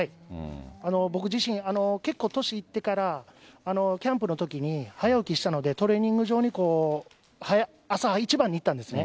僕自身、結構年いってから、キャンプのときに早起きしたので、トレーニング場に、朝一番に行ったんですね。